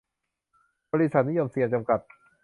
บริษัท นิยมเซียม จำกัด